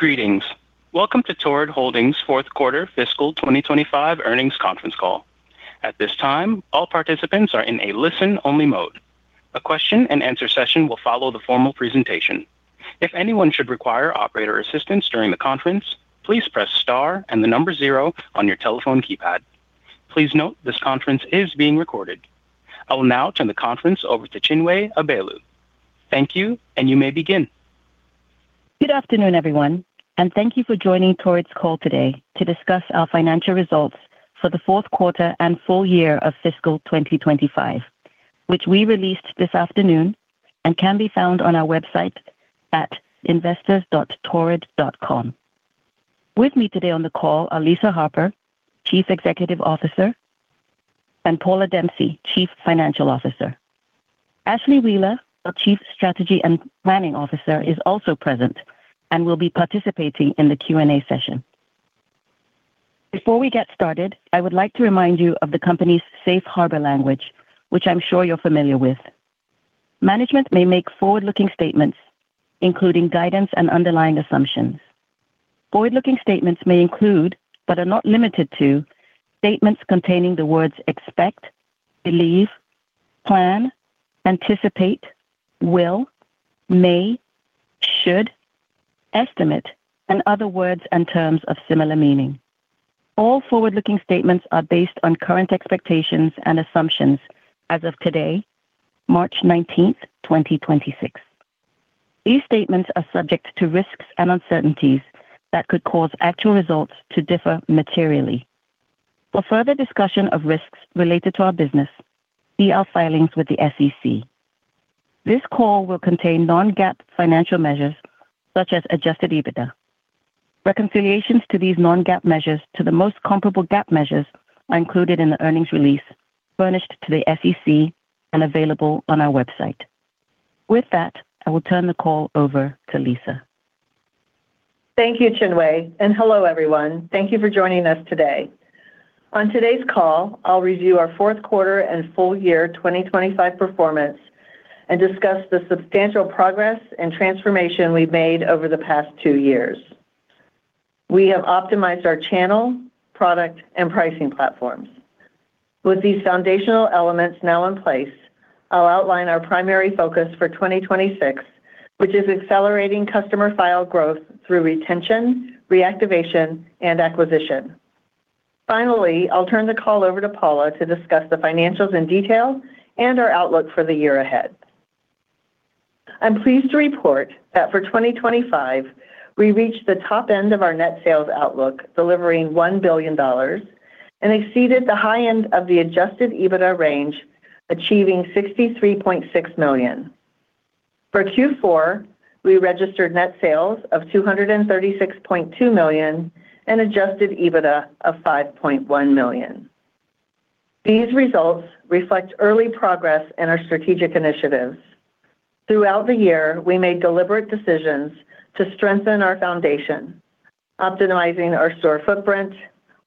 Greetings. Welcome to Torrid Holdings fourth quarter fiscal 2025 earnings conference call. At this time, all participants are in a listen-only mode. A question and answer session will follow the formal presentation. If anyone should require operator assistance during the conference, please press star and the number zero on your telephone keypad. Please note this conference is being recorded. I will now turn the conference over to Chinwe Abaelu. Thank you, and you may begin. Good afternoon, everyone, and thank you for joining Torrid's call today to discuss our financial results for the fourth quarter and full year of fiscal 2025, which we released this afternoon and can be found on our website at investors.torrid.com. With me today on the call are Lisa Harper, Chief Executive Officer, and Paula Dempsey, Chief Financial Officer. Ashlee Wheeler, our Chief Strategy and Planning Officer, is also present and will be participating in the Q&A session. Before we get started, I would like to remind you of the company's safe harbor language, which I'm sure you're familiar with. Management may make forward-looking statements, including guidance and underlying assumptions. Forward-looking statements may include, but are not limited to, statements containing the words expect, believe, plan, anticipate, will, may, should, estimate, and other words and terms of similar meaning. All forward-looking statements are based on current expectations and assumptions as of today, March 19, 2026. These statements are subject to risks and uncertainties that could cause actual results to differ materially. For further discussion of risks related to our business, see our filings with the SEC. This call will contain non-GAAP financial measures such as adjusted EBITDA. Reconciliations to these non-GAAP measures to the most comparable GAAP measures are included in the earnings release furnished to the SEC and available on our website. With that, I will turn the call over to Lisa. Thank you, Chinwe, and hello, everyone. Thank you for joining us today. On today's call, I'll review our fourth quarter and full year 2025 performance and discuss the substantial progress and transformation we've made over the past two years. We have optimized our channel, product, and pricing platforms. With these foundational elements now in place, I'll outline our primary focus for 2026, which is accelerating customer file growth through retention, reactivation, and acquisition. Finally, I'll turn the call over to Paula to discuss the financials in detail and our outlook for the year ahead. I'm pleased to report that for 2025, we reached the top end of our net sales outlook, delivering $1 billion, and exceeded the high end of the adjusted EBITDA range, achieving $63.6 million. For Q4, we registered net sales of $236.2 million and adjusted EBITDA of $5.1 million. These results reflect early progress in our strategic initiatives. Throughout the year, we made deliberate decisions to strengthen our foundation, optimizing our store footprint,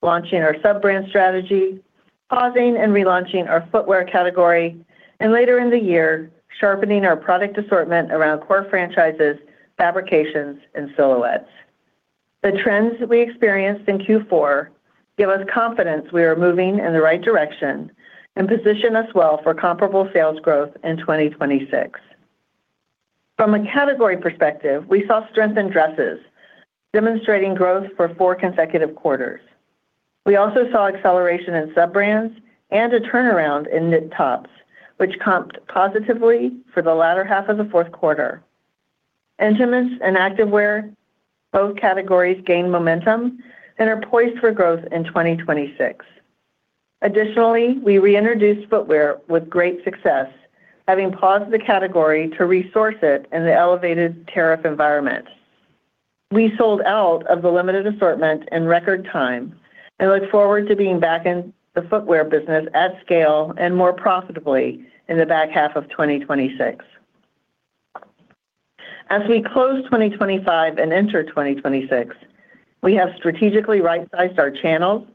launching our sub-brand strategy, pausing and relaunching our footwear category, and later in the year, sharpening our product assortment around core franchises, fabrications, and silhouettes. The trends we experienced in Q4 give us confidence we are moving in the right direction and position us well for comparable sales growth in 2026. From a category perspective, we saw strength in dresses, demonstrating growth for four consecutive quarters. We also saw acceleration in sub-brands and a turnaround in knit tops, which comped positively for the latter half of the fourth quarter. Intimates and activewear, both categories gained momentum and are poised for growth in 2026. Additionally, we reintroduced footwear with great success, having paused the category to resource it in the elevated tariff environment. We sold out of the limited assortment in record time and look forward to being back in the footwear business at scale and more profitably in the back half of 2026. As we close 2025 and enter 2026, we have strategically right-sized our channels,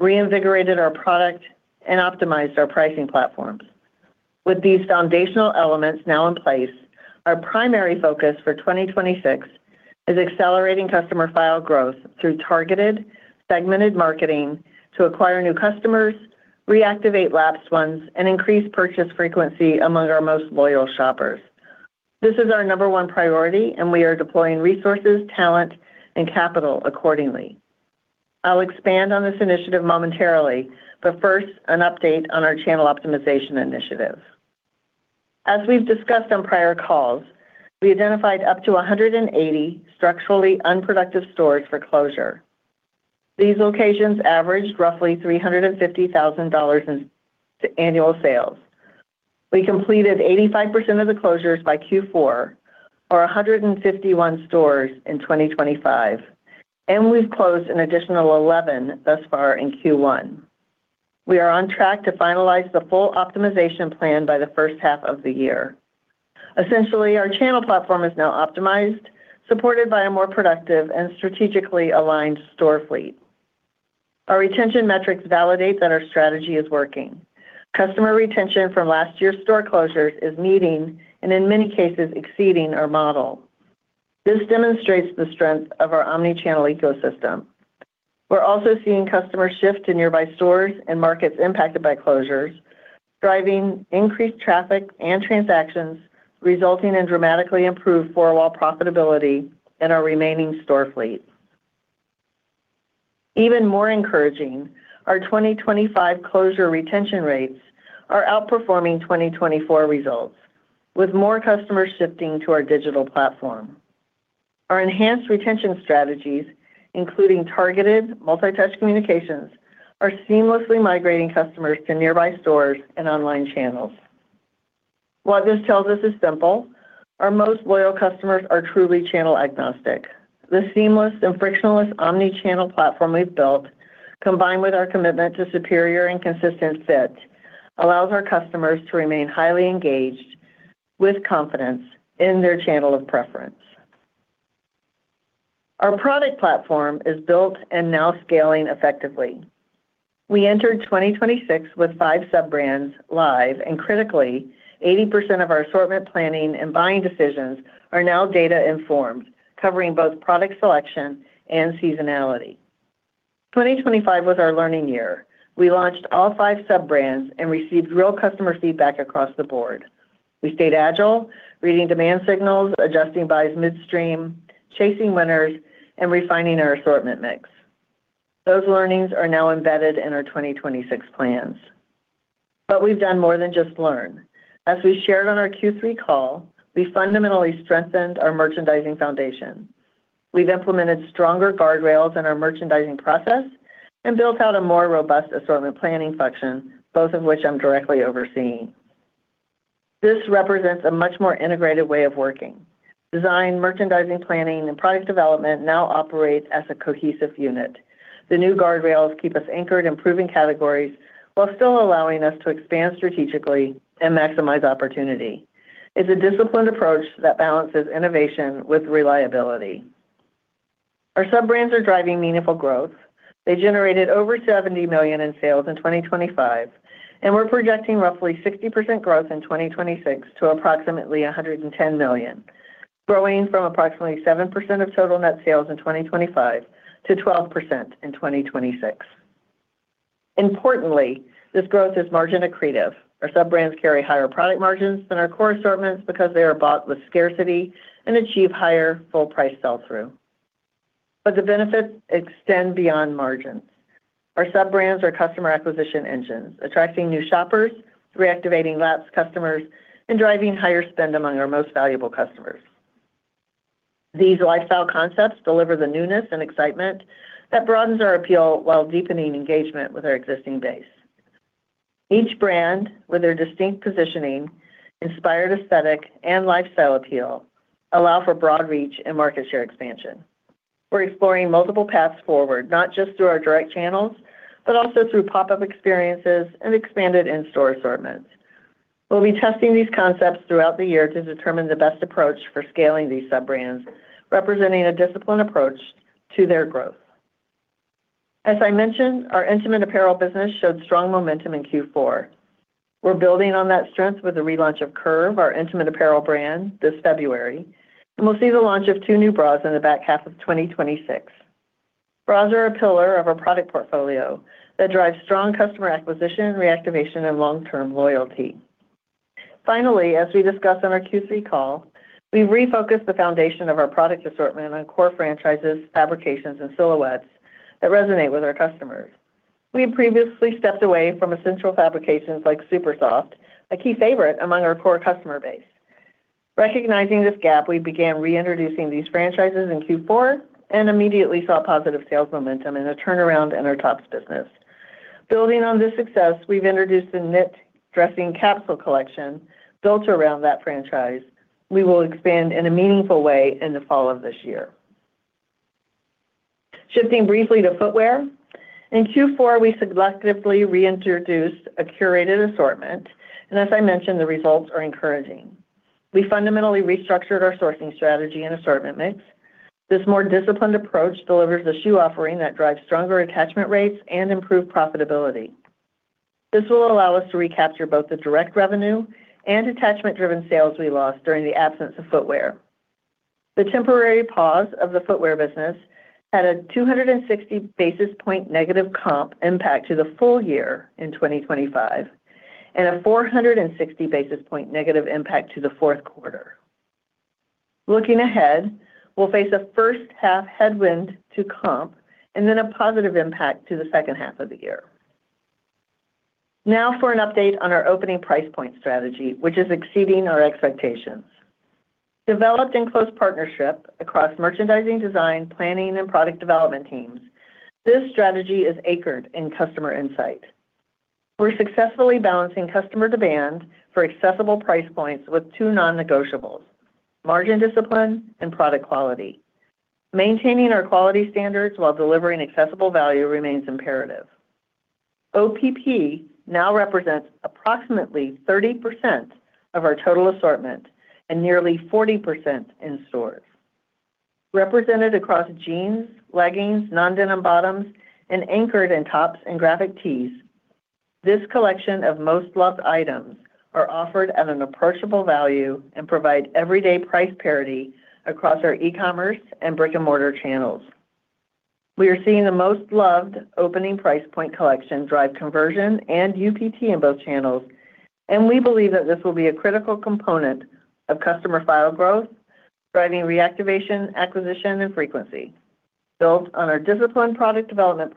reinvigorated our product, and optimized our pricing platforms. With these foundational elements now in place, our primary focus for 2026 is accelerating customer file growth through targeted, segmented marketing to acquire new customers, reactivate lapsed ones, and increase purchase frequency among our most loyal shoppers. This is our number one priority, and we are deploying resources, talent, and capital accordingly. I'll expand on this initiative momentarily, but first, an update on our channel optimization initiative. As we've discussed on prior calls, we identified up to 180 structurally unproductive stores for closure. These locations averaged roughly $350,000 in annual sales. We completed 85% of the closures by Q4, or 151 stores in 2025, and we've closed an additional 11 thus far in Q1. We are on track to finalize the full optimization plan by the first half of the year. Essentially, our channel platform is now optimized, supported by a more productive and strategically aligned store fleet. Our retention metrics validate that our strategy is working. Customer retention from last year's store closures is meeting and in many cases, exceeding our model. This demonstrates the strength of our omni-channel ecosystem. We're also seeing customer shift to nearby stores and markets impacted by closures, driving increased traffic and transactions, resulting in dramatically improved four-wall profitability in our remaining store fleet. Even more encouraging, our 2025 closure retention rates are outperforming 2024 results, with more customers shifting to our digital platform. Our enhanced retention strategies, including targeted multi-touch communications, are seamlessly migrating customers to nearby stores and online channels. What this tells us is simple. Our most loyal customers are truly channel agnostic. The seamless and frictionless omni-channel platform we've built, combined with our commitment to superior and consistent fit, allows our customers to remain highly engaged with confidence in their channel of preference. Our product platform is built and now scaling effectively. We entered 2026 with five sub-brands live and critically, 80% of our assortment planning and buying decisions are now data informed, covering both product selection and seasonality. 2025 was our learning year. We launched all five sub-brands and received real customer feedback across the board. We stayed agile, reading demand signals, adjusting buys midstream, chasing winners, and refining our assortment mix. Those learnings are now embedded in our 2026 plans. We've done more than just learn. As we shared on our Q3 call, we fundamentally strengthened our merchandising foundation. We've implemented stronger guardrails in our merchandising process and built out a more robust assortment planning function, both of which I'm directly overseeing. This represents a much more integrated way of working. Design, merchandising, planning, and product development now operates as a cohesive unit. The new guardrails keep us anchored in proven categories while still allowing us to expand strategically and maximize opportunity. It's a disciplined approach that balances innovation with reliability. Our sub-brands are driving meaningful growth. They generated over $70 million in sales in 2025, and we're projecting roughly 60% growth in 2026 to approximately $110 million, growing from approximately 7% of total net sales in 2025 to 12% in 2026. Importantly, this growth is margin accretive. Our sub-brands carry higher product margins than our core assortments because they are bought with scarcity and achieve higher full price sell-through. The benefits extend beyond margins. Our sub-brands are customer acquisition engines, attracting new shoppers, reactivating lapsed customers, and driving higher spend among our most valuable customers. These lifestyle concepts deliver the newness and excitement that broadens our appeal while deepening engagement with our existing base. Each brand, with their distinct positioning, inspired aesthetic, and lifestyle appeal, allow for broad reach and market share expansion. We're exploring multiple paths forward, not just through our direct channels, but also through pop-up experiences and expanded in-store assortments. We'll be testing these concepts throughout the year to determine the best approach for scaling these sub-brands, representing a disciplined approach to their growth. As I mentioned, our intimate apparel business showed strong momentum in Q4. We're building on that strength with the relaunch of Curve, our intimate apparel brand, this February, and we'll see the launch of two new bras in the back half of 2026. Bras are a pillar of our product portfolio that drives strong customer acquisition, reactivation, and long-term loyalty. Finally, as we discussed on our Q3 call, we refocused the foundation of our product assortment on core franchises, fabrications, and silhouettes that resonate with our customers. We had previously stepped away from essential fabrications like Supersoft, a key favorite among our core customer base. Recognizing this gap, we began reintroducing these franchises in Q4 and immediately saw positive sales momentum and a turnaround in our tops business. Building on this success, we've introduced a knit dressing capsule collection built around that franchise. We will expand in a meaningful way in the fall of this year. Shifting briefly to footwear. In Q4, we selectively reintroduced a curated assortment, and as I mentioned, the results are encouraging. We fundamentally restructured our sourcing strategy and assortment mix. This more disciplined approach delivers a shoe offering that drives stronger attachment rates and improved profitability. This will allow us to recapture both the direct revenue and attachment-driven sales we lost during the absence of footwear. The temporary pause of the footwear business had a 260 basis points negative comp impact to the full year in 2025 and a 460 basis points negative impact to the fourth quarter. Looking ahead, we'll face a first half headwind to comp and then a positive impact to the second half of the year. Now for an update on our opening price point strategy, which is exceeding our expectations. Developed in close partnership across merchandising, design, planning, and product development teams, this strategy is anchored in customer insight. We're successfully balancing customer demand for accessible price points with two non-negotiables, margin discipline and product quality. Maintaining our quality standards while delivering accessible value remains imperative. OPP now represents approximately 30% of our total assortment and nearly 40% in stores. Represented across jeans, leggings, non-denim bottoms, and anchored in tops and graphic tees, this collection of most loved items are offered at an approachable value and provide everyday price parity across our e-commerce and brick-and-mortar channels. We are seeing the most loved opening price point collection drive conversion and UPT in both channels, and we believe that this will be a critical component of customer file growth, driving reactivation, acquisition, and frequency. Built on our disciplined product development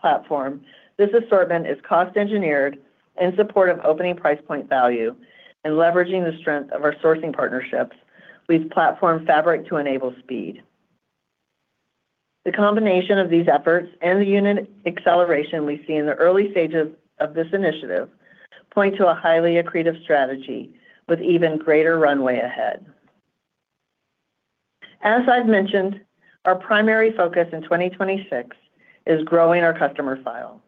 platform, this assortment is cost-engineered in support of opening price point value and leveraging the strength of our sourcing partnerships with platform fabric to enable speed. The combination of these efforts and the unit acceleration we see in the early stages of this initiative point to a highly accretive strategy with even greater runway ahead. As I've mentioned, our primary focus in 2026 is growing our customer file.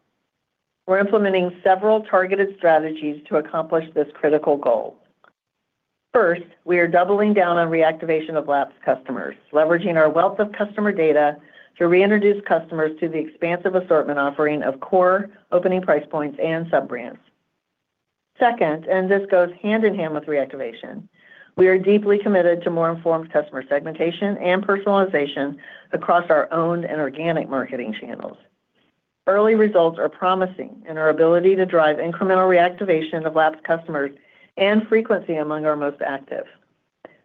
We're implementing several targeted strategies to accomplish this critical goal. First, we are doubling down on reactivation of lapsed customers, leveraging our wealth of customer data to reintroduce customers to the expansive assortment offering of core opening price points and sub-brands. Second, and this goes hand in hand with reactivation, we are deeply committed to more informed customer segmentation and personalization across our owned and organic marketing channels. Early results are promising in our ability to drive incremental reactivation of lapsed customers and frequency among our most active.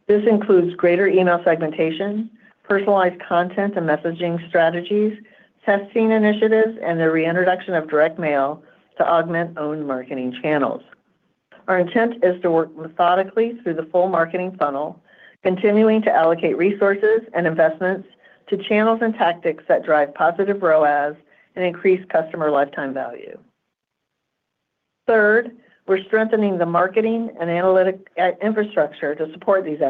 This includes greater email segmentation, personalized content and messaging strategies, testing initiatives, and the reintroduction of direct mail to augment owned marketing channels. Our intent is to work methodically through the full marketing funnel, continuing to allocate resources and investments to channels and tactics that drive positive ROAS and increase customer lifetime value. Third, we're strengthening the marketing and analytical infrastructure to support these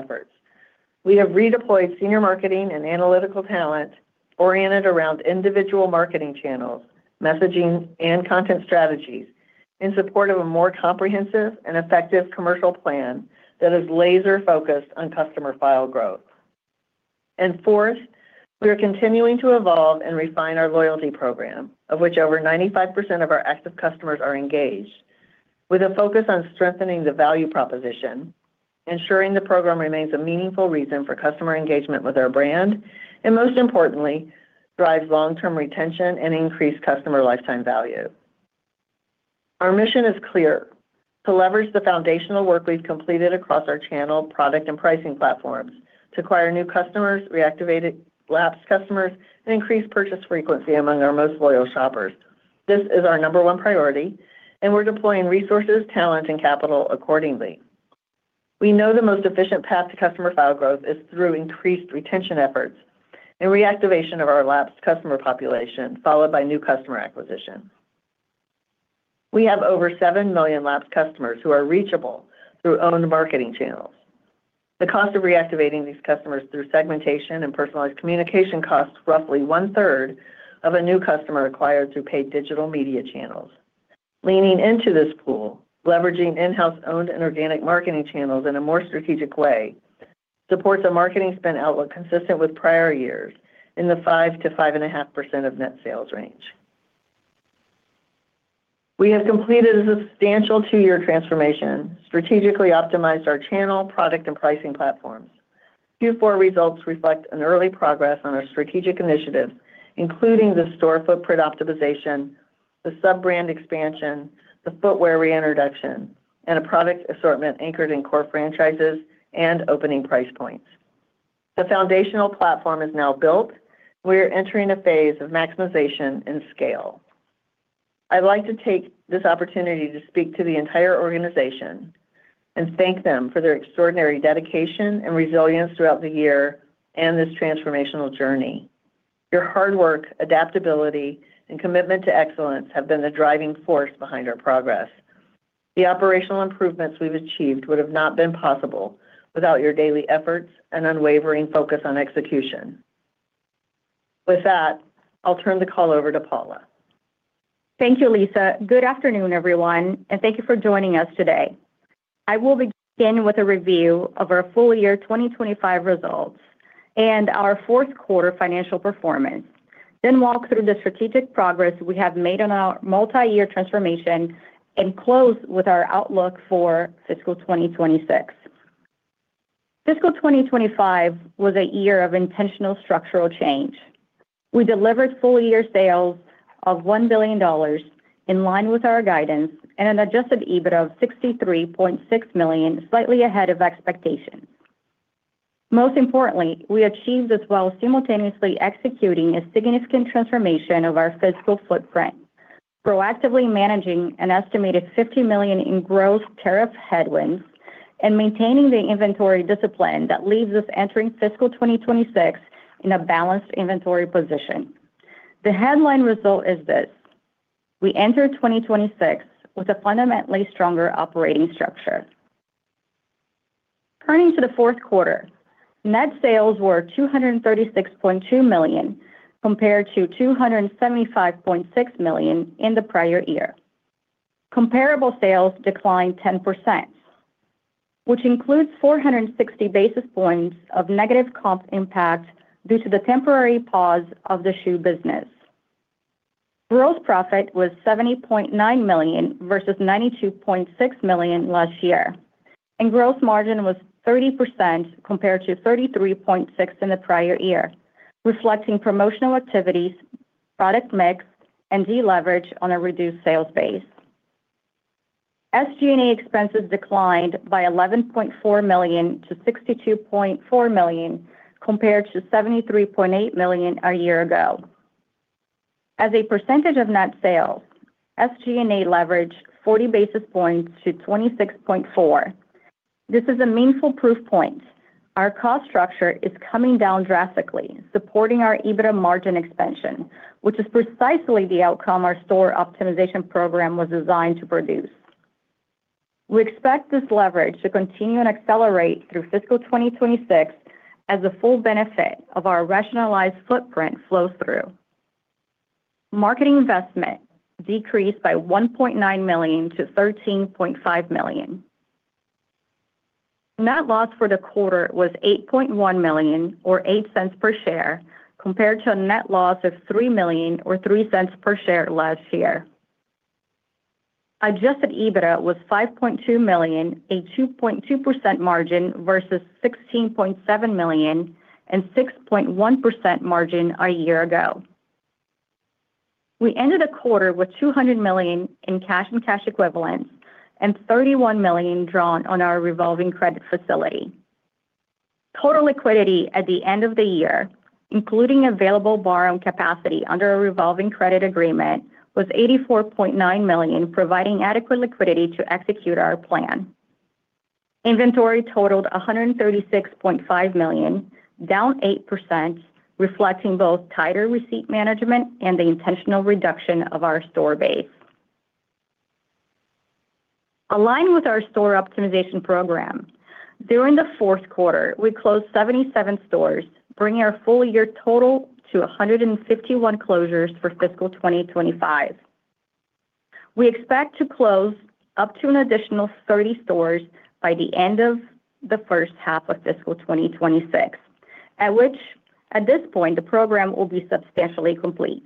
efforts. We have redeployed senior marketing and analytical talent oriented around individual marketing channels, messaging, and content strategies in support of a more comprehensive and effective commercial plan that is laser-focused on customer file growth. Fourth, we are continuing to evolve and refine our loyalty program, of which over 95% of our active customers are engaged with a focus on strengthening the value proposition, ensuring the program remains a meaningful reason for customer engagement with our brand, and most importantly, drives long-term retention and increased customer lifetime value. Our mission is clear to leverage the foundational work we've completed across our channel, product, and pricing platforms to acquire new customers, reactivate lapsed customers, and increase purchase frequency among our most loyal shoppers. This is our number one priority, and we're deploying resources, talent, and capital accordingly. We know the most efficient path to customer file growth is through increased retention efforts and reactivation of our lapsed customer population, followed by new customer acquisition. We have over 7 million lapsed customers who are reachable through owned marketing channels. The cost of reactivating these customers through segmentation and personalized communication costs roughly 1/3 of a new customer acquired through paid digital media channels. Leaning into this pool, leveraging in-house owned and organic marketing channels in a more strategic way supports a marketing spend outlook consistent with prior years in the 5%-5.5% of net sales range. We have completed a substantial two-year transformation, strategically optimized our channel, product, and pricing platforms. Q4 results reflect an early progress on our strategic initiatives, including the store footprint optimization, the sub-brand expansion, the footwear reintroduction, and a product assortment anchored in core franchises and opening price points. The foundational platform is now built. We are entering a phase of maximization and scale. I'd like to take this opportunity to speak to the entire organization and thank them for their extraordinary dedication and resilience throughout the year and this transformational journey. Your hard work, adaptability, and commitment to excellence have been the driving force behind our progress. The operational improvements we've achieved would have not been possible without your daily efforts and unwavering focus on execution. With that, I'll turn the call over to Paula. Thank you, Lisa. Good afternoon, everyone, and thank you for joining us today. I will begin with a review of our full year 2025 results and our fourth quarter financial performance, then walk through the strategic progress we have made on our multi-year transformation and close with our outlook for fiscal 2026. Fiscal 2025 was a year of intentional structural change. We delivered full-year sales of $1 billion in line with our guidance and an adjusted EBIT of $63.6 million, slightly ahead of expectations. Most importantly, we achieved this while simultaneously executing a significant transformation of our physical footprint, proactively managing an estimated $50 million in gross tariff headwinds, and maintaining the inventory discipline that leaves us entering fiscal 2026 in a balanced inventory position. The headline result is this. We enter 2026 with a fundamentally stronger operating structure. Turning to the fourth quarter, net sales were $236.2 million, compared to $275.6 million in the prior year. Comparable sales declined 10%, which includes 460 basis points of negative comp impact due to the temporary pause of the shoe business. Gross profit was $70.9 million versus $92.6 million last year, and gross margin was 30% compared to 33.6% in the prior year, reflecting promotional activities, product mix, and deleverage on a reduced sales base. SG&A expenses declined by $11.4 million-$62.4 million compared to $73.8 million a year ago. As a percentage of net sales, SG&A leveraged 40 basis points to 26.4%. This is a meaningful proof point. Our cost structure is coming down drastically, supporting our EBITDA margin expansion, which is precisely the outcome our store optimization program was designed to produce. We expect this leverage to continue and accelerate through fiscal 2026 as the full benefit of our rationalized footprint flows through. Marketing investment decreased by $1.9 million-$13.5 million. Net loss for the quarter was $8.1 million or $0.08 per share, compared to a net loss of $3 million or $0.03 per share last year. Adjusted EBITDA was $5.2 million, a 2.2% margin versus $16.7 million and 6.1% margin a year ago. We ended the quarter with $200 million in cash and cash equivalents and $31 million drawn on our revolving credit facility. Total liquidity at the end of the year, including available borrowing capacity under a revolving credit agreement, was $84.9 million, providing adequate liquidity to execute our plan. Inventory totaled $136.5 million, down 8%, reflecting both tighter receipt management and the intentional reduction of our store base. Aligned with our store optimization program, during the fourth quarter, we closed 77 stores, bringing our full year total to 151 closures for fiscal 2025. We expect to close up to an additional 30 stores by the end of the first half of fiscal 2026, at this point, the program will be substantially complete.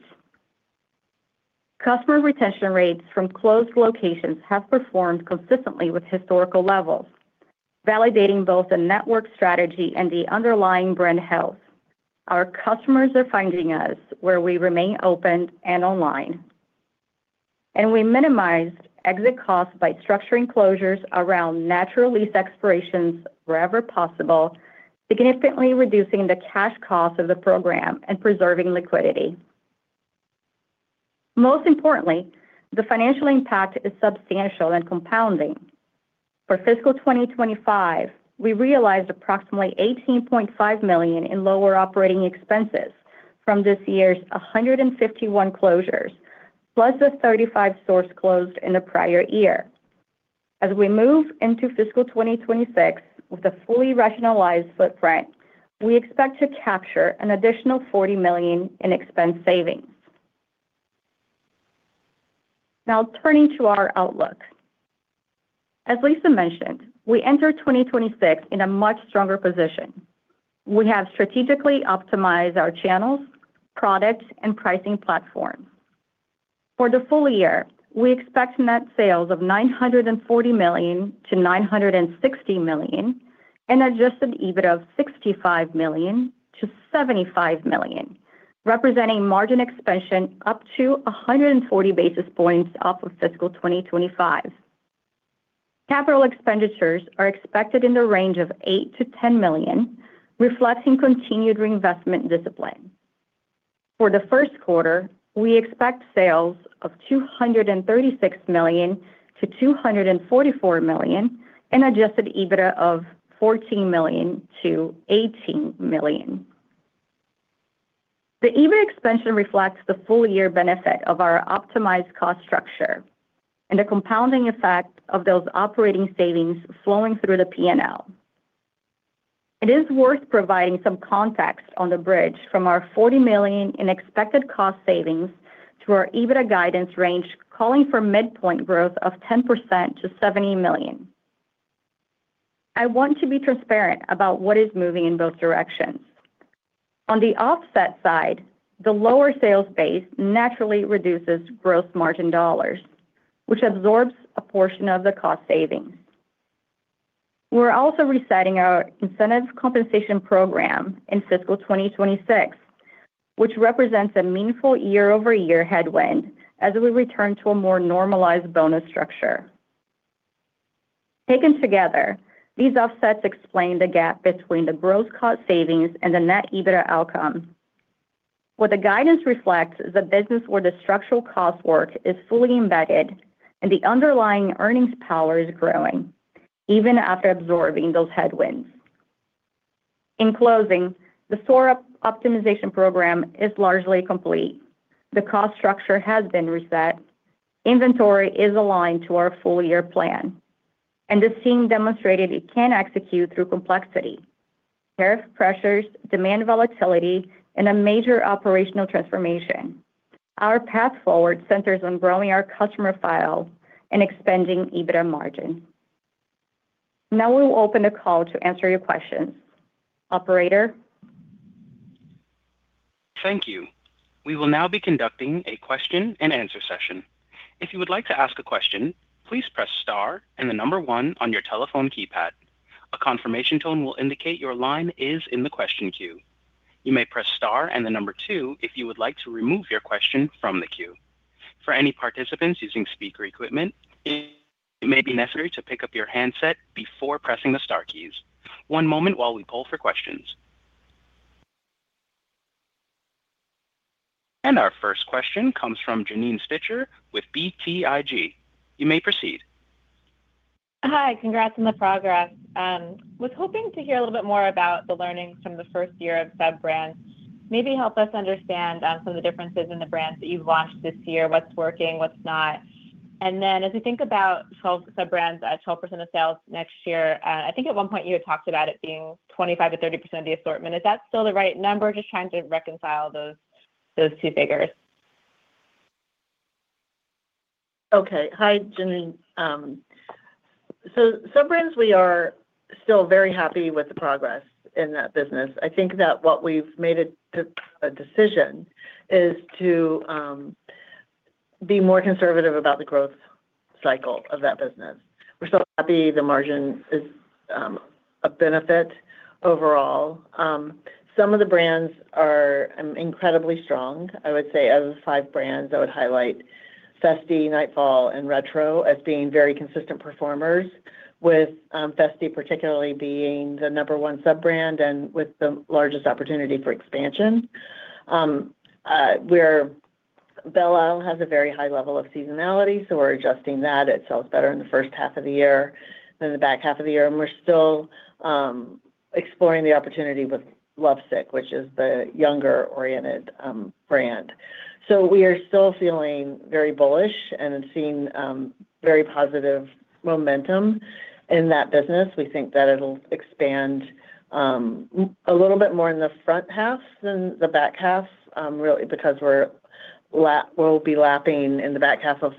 Customer retention rates from closed locations have performed consistently with historical levels, validating both the network strategy and the underlying brand health. Our customers are finding us where we remain open and online, and we minimized exit costs by structuring closures around natural lease expirations wherever possible, significantly reducing the cash cost of the program and preserving liquidity. Most importantly, the financial impact is substantial and compounding. For fiscal 2025, we realized approximately $18.5 million in lower operating expenses from this year's 151 closures, plus the 35 stores closed in the prior year. We move into fiscal 2026 with a fully rationalized footprint, and we expect to capture an additional $40 million in expense savings. Now turning to our outlook. As Lisa mentioned, we enter 2026 in a much stronger position. We have strategically optimized our channels, products, and pricing platforms. For the full year, we expect net sales of $940 million-$960 million and adjusted EBIT of $65 million-$75 million, representing margin expansion up to 140 basis points off of fiscal 2025. Capital expenditures are expected in the range of $8 million-$10 million, reflecting continued reinvestment discipline. For the first quarter, we expect sales of $236 million-$244 million and adjusted EBITDA of $14 million-$18 million. The EBIT expansion reflects the full year benefit of our optimized cost structure and the compounding effect of those operating savings flowing through the P&L. It is worth providing some context on the bridge from our $40 million in expected cost savings to our EBITDA guidance range, calling for midpoint growth of 10% to $70 million. I want to be transparent about what is moving in both directions. On the offset side, the lower sales base naturally reduces gross margin dollars, which absorbs a portion of the cost savings. We're also resetting our incentive compensation program in fiscal 2026, which represents a meaningful year-over-year headwind as we return to a more normalized bonus structure. Taken together, these offsets explain the gap between the gross cost savings and the net EBITDA outcome. What the guidance reflects is a business where the structural cost work is fully embedded and the underlying earnings power is growing even after absorbing those headwinds. In closing, the store optimization program is largely complete. The cost structure has been reset. Inventory is aligned to our full year plan. The team demonstrated it can execute through complexity, tariff pressures, demand volatility, and a major operational transformation. Our path forward centers on growing our customer file and expanding EBITDA margin. Now we will open the call to answer your questions. Operator? Thank you. We will now be conducting a question and answer session. If you would like to ask a question, please press star and the number one on your telephone keypad. A confirmation tone will indicate your line is in the question queue. You may press star and the number two if you would like to remove your question from the queue. For any participants using speaker equipment, it may be necessary to pick up your handset before pressing the star keys. One moment while we poll for questions. Our first question comes from Janine Stichter with BTIG. You may proceed. Hi. Congrats on the progress. Was hoping to hear a little bit more about the learnings from the first year of sub-brands. Maybe help us understand some of the differences in the brands that you've launched this year, what's working, what's not. Then as we think about sub-sub-brands at 12% of sales next year, I think at one point you had talked about it being 25%-30% of the assortment. Is that still the right number? Just trying to reconcile those two figures. Okay. Hi, Janine. Sub-brands we are still very happy with the progress in that business. I think that what we've made a decision is to be more conservative about the growth cycle of that business. We're still happy the margin is a benefit overall. Some of the brands are incredibly strong. I would say of the five brands, I would highlight Festi, Nightfall, and Retro Chic as being very consistent performers with Festi particularly being the number one sub-brand and with the largest opportunity for expansion. Belle Isle has a very high level of seasonality, so we're adjusting that. It sells better in the first half of the year than the back half of the year. We're still exploring the opportunity with Lovesick, which is the younger-oriented brand. We are still feeling very bullish and seeing very positive momentum in that business. We think that it'll expand a little bit more in the front half than the back half, really because we'll be lapping in the back half of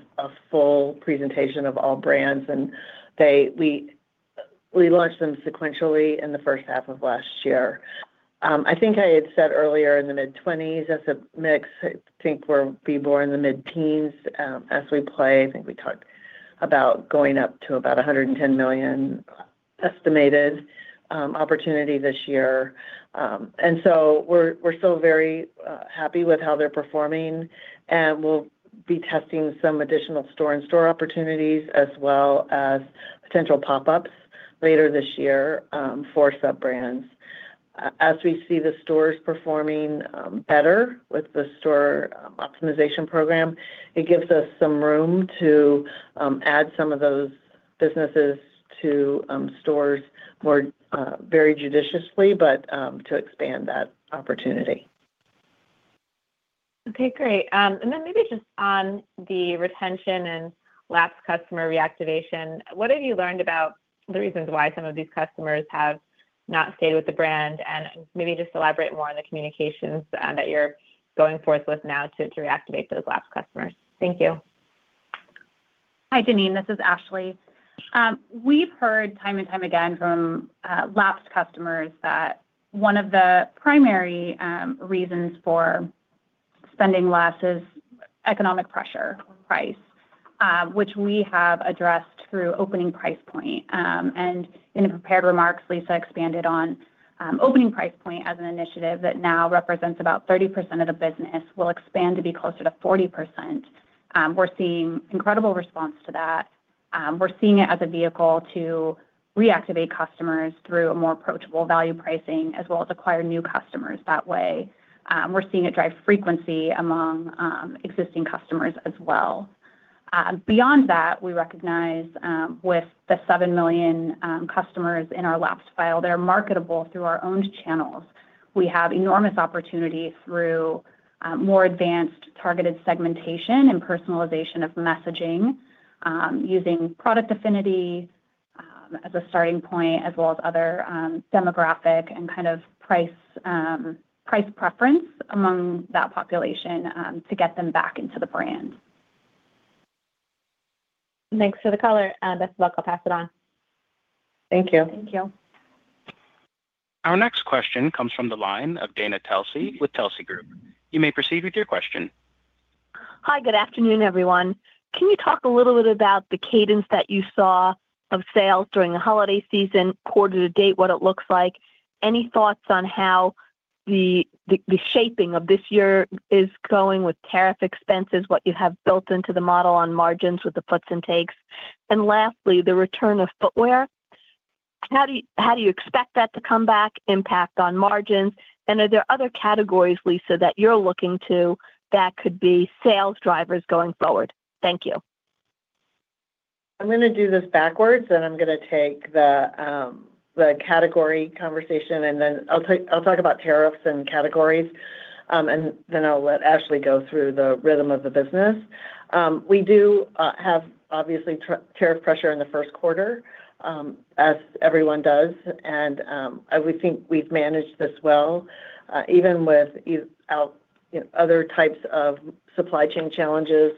full presentation of all brands. We launched them sequentially in the first half of last year. I think I had said earlier in the mid-20s as a mix. I think we'll be more in the mid-teens as we lap. I think we talked about going up to about $110 million estimated opportunity this year. We're still very happy with how they're performing, and we'll be testing some additional store opportunities as well as potential pop-ups later this year for sub-brands. As we see the stores performing better with the store optimization program, it gives us some room to add some of those businesses to stores more very judiciously, but to expand that opportunity. Okay, great. Then maybe just on the retention and lapsed customer reactivation, what have you learned about the reasons why some of these customers have not stayed with the brand? Maybe just elaborate more on the communications that you're going forth with now to reactivate those lapsed customers. Thank you. Hi, Janine. This is Ashlee. We've heard time and time again from lapsed customers that one of the primary reasons for spending less is economic pressure, price, which we have addressed through opening price point. In the prepared remarks, Lisa expanded on opening price point as an initiative that now represents about 30% of the business, will expand to be closer to 40%. We're seeing incredible response to that. We're seeing it as a vehicle to reactivate customers through a more approachable value pricing as well as acquire new customers that way. We're seeing it drive frequency among existing customers as well. Beyond that, we recognize, with the 7 million customers in our lapsed file that are marketable through our owned channels, we have enormous opportunity through more advanced targeted segmentation and personalization of messaging, using product affinity as a starting point as well as other demographic and kind of price preference among that population, to get them back into the brand. Thanks for the color. Best of luck. I'll pass it on. Thank you. Thank you. Our next question comes from the line of Dana Telsey with Telsey Advisory Group. You may proceed with your question. Hi, good afternoon, everyone. Can you talk a little bit about the cadence that you saw of sales during the holiday season, quarter to date, what it looks like? Any thoughts on how the shaping of this year is going with tariff expenses, what you have built into the model on margins with the puts and takes? Lastly, the return of footwear, how do you expect that to come back, impact on margins? Are there other categories, Lisa, that you're looking to that could be sales drivers going forward? Thank you. I'm gonna do this backwards, and I'm gonna take the category conversation, and then I'll talk about tariffs and categories, and then I'll let Ashlee go through the rhythm of the business. We do have obviously tariff pressure in the first quarter, as everyone does. I would think we've managed this well, even with our, you know, other types of supply chain challenges.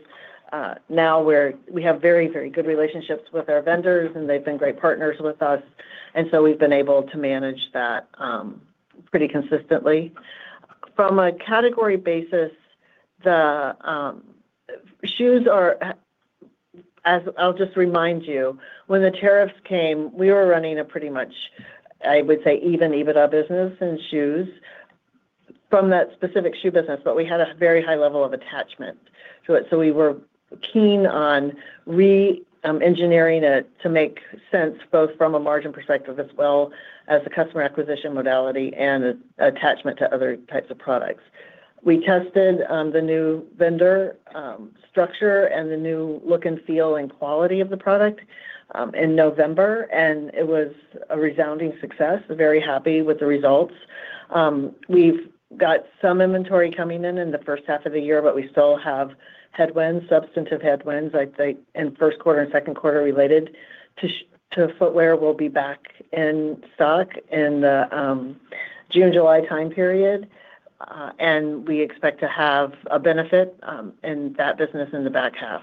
We have very, very good relationships with our vendors, and they've been great partners with us, and so we've been able to manage that pretty consistently. From a category basis, the shoes are. I'll just remind you, when the tariffs came, we were running a pretty much, I would say, even EBITDA business in shoes from that specific shoe business. We had a very high level of attachment to it, so we were keen on engineering it to make sense, both from a margin perspective as well as the customer acquisition modality and attachment to other types of products. We tested the new vendor structure and the new look and feel and quality of the product in November, and it was a resounding success. Very happy with the results. We've got some inventory coming in in the first half of the year, but we still have headwinds, substantive headwinds, I'd say, in first quarter and second quarter related to footwear will be back in stock in the June/July time period. We expect to have a benefit in that business in the back half.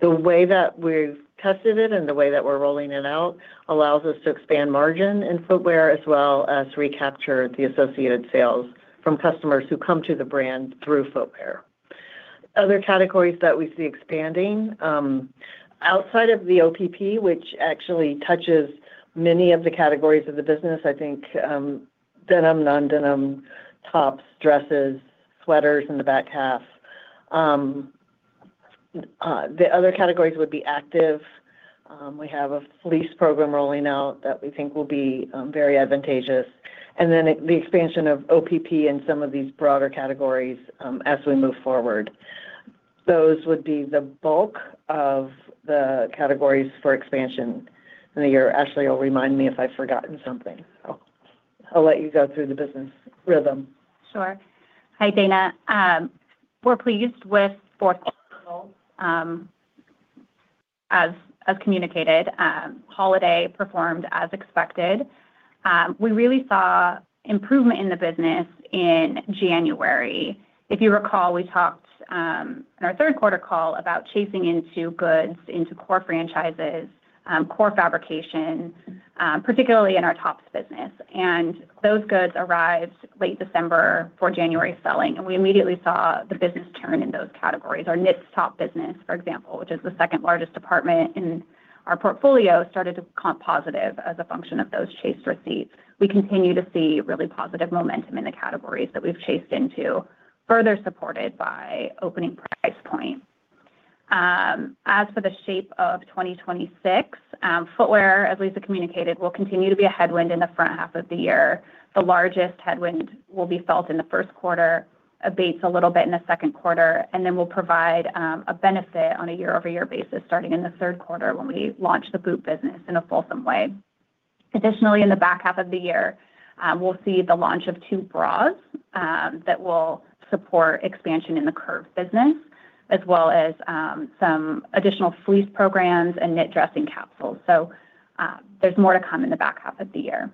The way that we've tested it and the way that we're rolling it out allows us to expand margin in footwear, as well as recapture the associated sales from customers who come to the brand through footwear. Other categories that we see expanding outside of the OPP, which actually touches many of the categories of the business, I think, denim, non-denim, tops, dresses, sweaters in the back half. The other categories would be active. We have a fleece program rolling out that we think will be very advantageous. The expansion of OPP in some of these broader categories, as we move forward. Those would be the bulk of the categories for expansion. Ashlee will remind me if I've forgotten something. I'll let you go through the business rhythm. Sure. Hi, Dana. We're pleased with fourth quarter results, as communicated. Holiday performed as expected. We really saw improvement in the business in January. If you recall, we talked in our third quarter call about chasing into goods, into core franchises, core fabrication, particularly in our tops business. Those goods arrived late December for January selling, and we immediately saw the business turn in those categories. Our knit top business, for example, which is the second largest department in our portfolio, started to comp positive as a function of those chased receipts. We continue to see really positive momentum in the categories that we've chased into, further supported by opening price point. As for the shape of 2026, footwear, as Lisa communicated, will continue to be a headwind in the front half of the year. The largest headwind will be felt in the first quarter, abates a little bit in the second quarter, and then will provide a benefit on a year-over-year basis starting in the third quarter when we launch the boot business in a fulsome way. Additionally, in the back half of the year, we'll see the launch of two bras that will support expansion in the Curve business, as well as some additional fleece programs and knit dressing capsules. There's more to come in the back half of the year.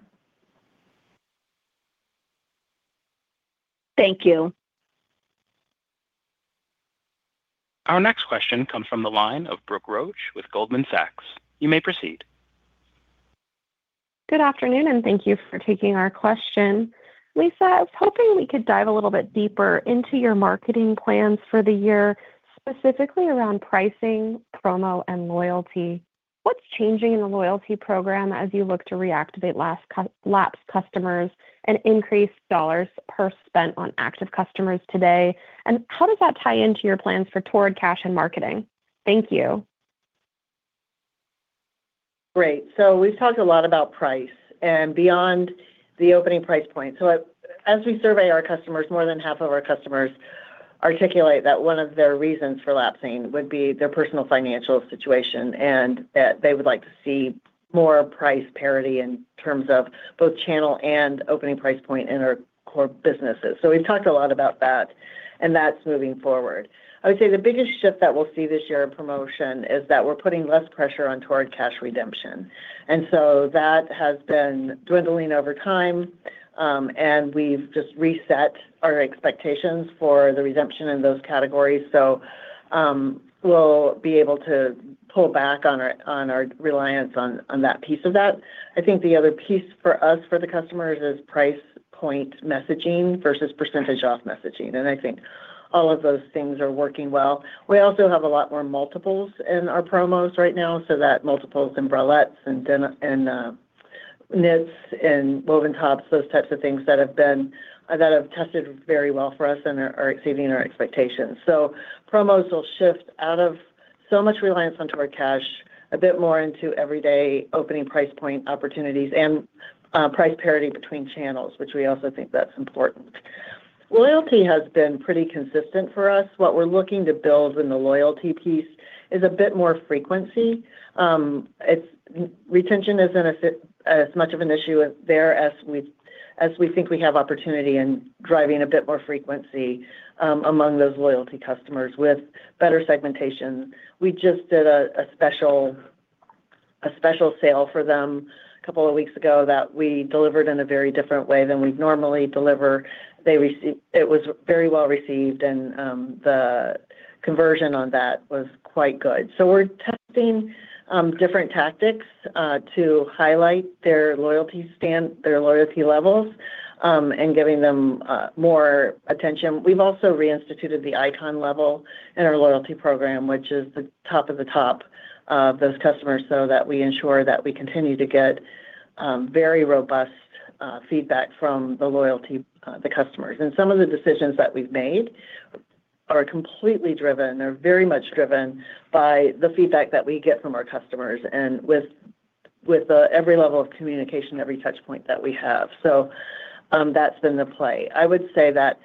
Thank you. Our next question comes from the line of Brooke Roach with Goldman Sachs. You may proceed. Good afternoon, and thank you for taking our question. Lisa, I was hoping we could dive a little bit deeper into your marketing plans for the year, specifically around pricing, promo, and loyalty. What's changing in the loyalty program as you look to reactivate lapsed customers and increase dollars spent per active customer today, and how does that tie into your plans for Torrid Cash and marketing? Thank you. Great. We've talked a lot about price and beyond the opening price point. As we survey our customers, more than half of our customers articulate that one of their reasons for lapsing would be their personal financial situation and that they would like to see more price parity in terms of both channel and opening price point in our core businesses. We've talked a lot about that, and that's moving forward. I would say the biggest shift that we'll see this year in promotion is that we're putting less pressure on Torrid Cash redemption. That has been dwindling over time, and we've just reset our expectations for the redemption in those categories. We'll be able to pull back on our reliance on that piece of that. I think the other piece for us, for the customers is price point messaging versus percentage off messaging, and I think all of those things are working well. We also have a lot more multiples in our promos right now, so that multiples in bralettes and knits and woven tops, those types of things that have been that have tested very well for us and are exceeding our expectations. Promos will shift out of so much reliance on Torrid Cash, a bit more into everyday opening price point opportunities and price parity between channels, which we also think that's important. Loyalty has been pretty consistent for us. What we're looking to build in the loyalty piece is a bit more frequency. Retention isn't as much of an issue there as we think we have opportunity in driving a bit more frequency among those loyalty customers with better segmentation. We just did a special sale for them a couple of weeks ago that we delivered in a very different way than we'd normally deliver. It was very well-received, and the conversion on that was quite good. We're testing different tactics to highlight their loyalty levels and giving them more attention. We've also reinstituted the icon level in our loyalty program, which is the top of the top of those customers, so that we ensure that we continue to get very robust feedback from the loyalty customers. Some of the decisions that we've made are completely driven. They're very much driven by the feedback that we get from our customers and with every level of communication, every touch point that we have. That's been the play. I would say that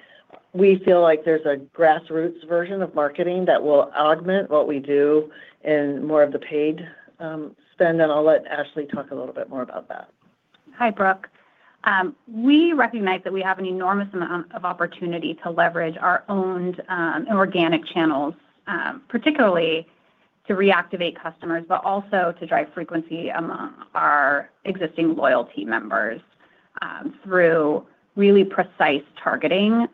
we feel like there's a grassroots version of marketing that will augment what we do in more of the paid spend, and I'll let Ashlee talk a little bit more about that. Hi, Brooke. We recognize that we have an enormous amount of opportunity to leverage our owned and organic channels, particularly to reactivate customers, but also to drive frequency among our existing loyalty members, through really precise targeting,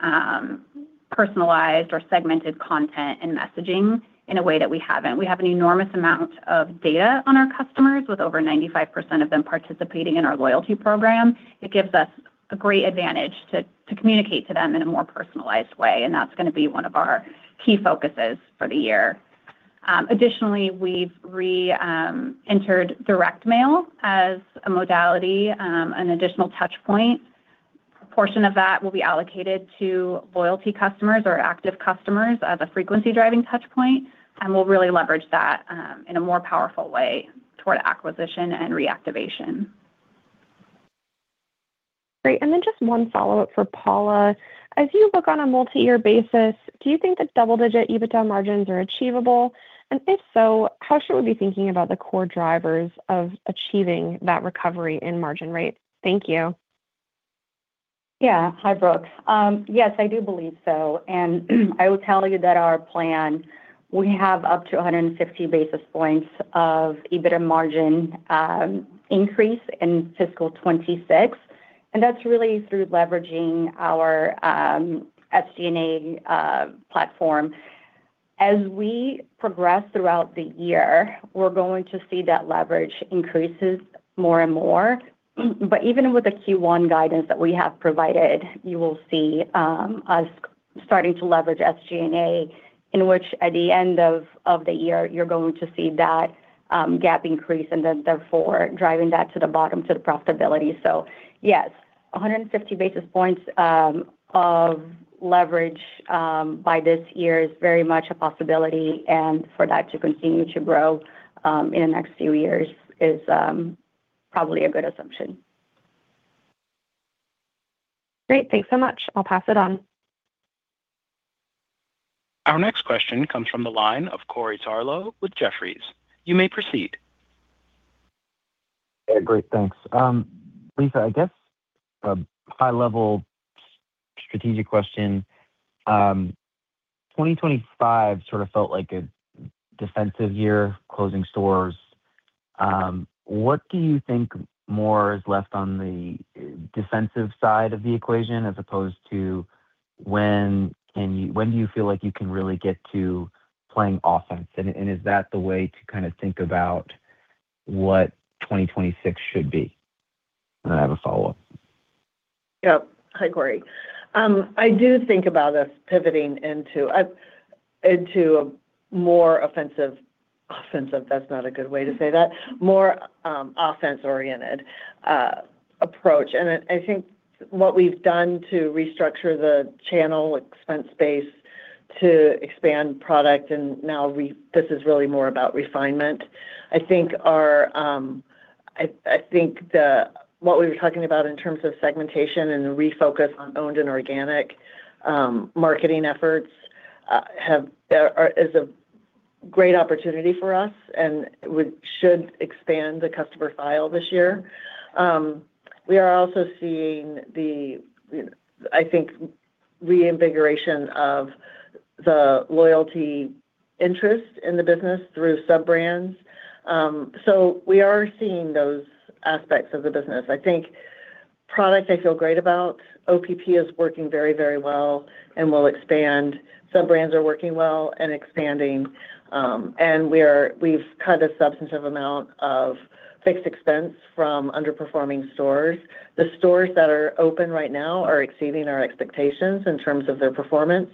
personalized or segmented content and messaging in a way that we haven't. We have an enormous amount of data on our customers, with over 95% of them participating in our loyalty program. It gives us a great advantage to communicate to them in a more personalized way, and that's gonna be one of our key focuses for the year. Additionally, we've re-entered direct mail as a modality, an additional touch point. A portion of that will be allocated to loyalty customers or active customers as a frequency-driving touch point, and we'll really leverage that, in a more powerful way toward acquisition and reactivation. Great. Just one follow-up for Paula. As you look on a multi-year basis, do you think that double-digit EBITDA margins are achievable? If so, how should we be thinking about the core drivers of achieving that recovery in margin rates? Thank you. Yeah. Hi, Brooke. Yes, I do believe so. I will tell you that our plan, we have up to 150 basis points of EBITDA margin increase in fiscal 2026, and that's really through leveraging our SG&A platform. As we progress throughout the year, we're going to see that leverage increases more and more. Even with the Q1 guidance that we have provided, you will see us starting to leverage SG&A, in which at the end of the year, you're going to see that gap increase and then therefore driving that to the bottom to the profitability. Yes, 150 basis points of leverage by this year is very much a possibility, and for that to continue to grow in the next few years is probably a good assumption. Great. Thanks so much. I'll pass it on. Our next question comes from the line of Corey Tarlowe with Jefferies. You may proceed. Yeah, great. Thanks. Lisa, I guess a high-level strategic question. 2025 sort of felt like a defensive year, closing stores. What do you think more is left on the defensive side of the equation as opposed to when do you feel like you can really get to playing offense, and is that the way to kinda think about what 2026 should be? I have a follow-up. Yep. Hi, Corey. I do think about us pivoting into a more offense-oriented approach. I think what we've done to restructure the channel expense space to expand product, and now this is really more about refinement. I think what we were talking about in terms of segmentation and the refocus on owned and organic marketing efforts is a great opportunity for us and should expand the customer file this year. We are also seeing the, you know, I think, reinvigoration of the loyalty interest in the business through sub-brands. We are seeing those aspects of the business. I think product, I feel great about. OPP is working very well and will expand. Sub-brands are working well and expanding. We've cut a substantive amount of fixed expense from underperforming stores. The stores that are open right now are exceeding our expectations in terms of their performance.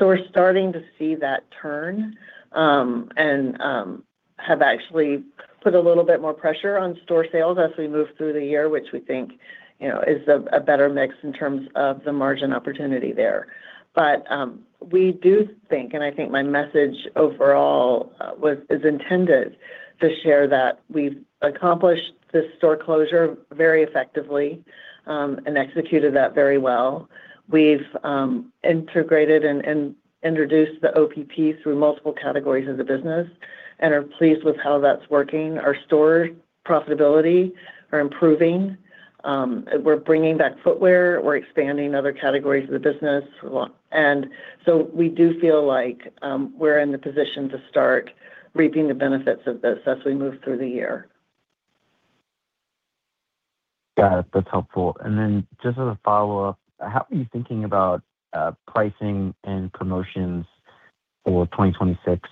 We're starting to see that turn, and have actually put a little bit more pressure on store sales as we move through the year, which we think is a better mix in terms of the margin opportunity there. We do think, and I think my message overall is intended to share that we've accomplished this store closure very effectively, and executed that very well. We've integrated and introduced the OPP through multiple categories of the business and are pleased with how that's working. Our store profitability are improving. We're bringing back footwear. We're expanding other categories of the business. We do feel like we're in the position to start reaping the benefits of this as we move through the year. Got it. That's helpful. Just as a follow-up, how are you thinking about pricing and promotions for 2026?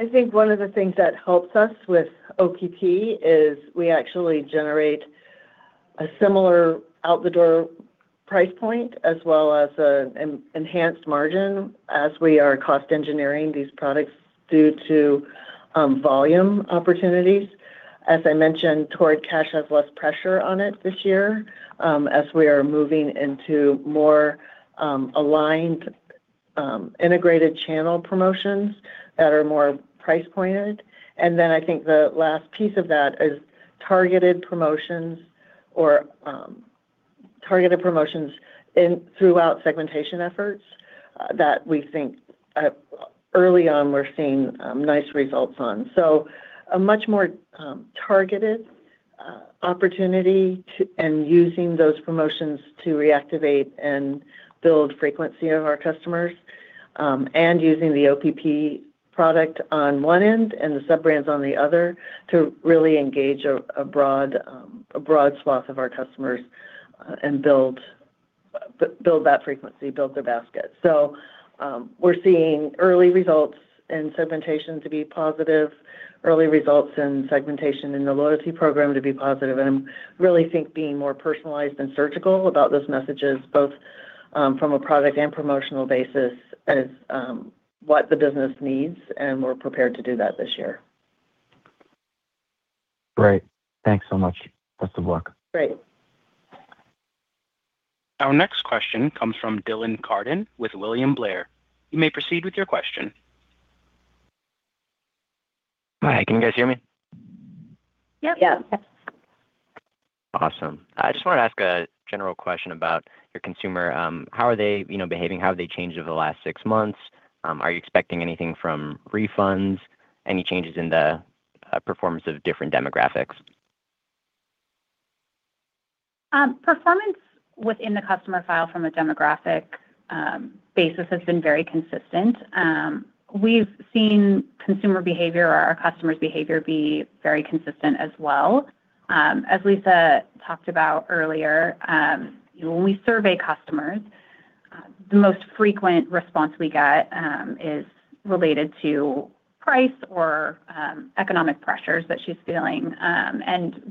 I think one of the things that helps us with OPP is we actually generate a similar out-the-door price point as well as an enhanced margin as we are cost engineering these products due to volume opportunities. As I mentioned, Torrid Cash has less pressure on it this year as we are moving into more aligned integrated channel promotions that are more price pointed. I think the last piece of that is targeted promotions throughout segmentation efforts that we think early on we're seeing nice results on. A much more targeted opportunity and using those promotions to reactivate and build frequency of our customers, and using the OPP product on one end and the sub-brands on the other to really engage a broad swath of our customers, and build that frequency, build their basket. We're seeing early results in segmentation to be positive, early results in segmentation in the loyalty program to be positive. I really think being more personalized and surgical about those messages both from a product and promotional basis is what the business needs, and we're prepared to do that this year. Great. Thanks so much. Best of luck. Great. Our next question comes from Dylan Carden with William Blair. You may proceed with your question. Hi. Can you guys hear me? Yep. Yep. Awesome. I just wanted to ask a general question about your consumer. How are they, you know, behaving? How have they changed over the last six months? Are you expecting anything from refunds? Any changes in the performance of different demographics? Performance within the customer file from a demographic basis has been very consistent. We've seen consumer behavior or our customers' behavior be very consistent as well. As Lisa talked about earlier, when we survey customers, the most frequent response we get is related to price or economic pressures that she's feeling.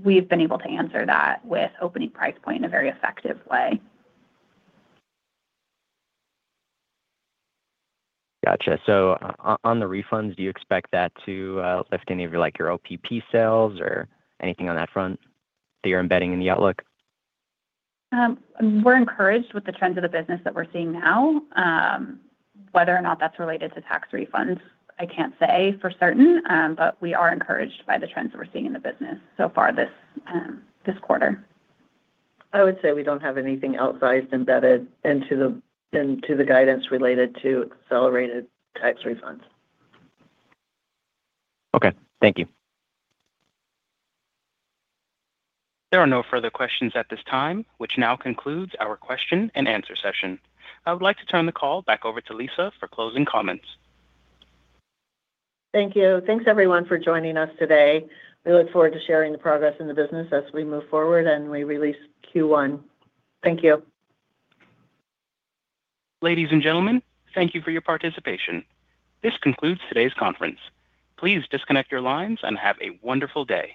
We've been able to answer that with opening price point in a very effective way. Gotcha. On the refunds, do you expect that to lift any of your, like, your OPP sales or anything on that front that you're embedding in the outlook? We're encouraged with the trends of the business that we're seeing now. Whether or not that's related to tax refunds, I can't say for certain. We are encouraged by the trends that we're seeing in the business so far this quarter. I would say we don't have anything outsized embedded into the guidance related to accelerated tax refunds. Okay. Thank you. There are no further questions at this time, which now concludes our question-and-answer session. I would like to turn the call back over to Lisa for closing comments. Thank you. Thanks everyone for joining us today. We look forward to sharing the progress in the business as we move forward and we release Q1. Thank you. Ladies and gentlemen, thank you for your participation. This concludes today's conference. Please disconnect your lines and have a wonderful day.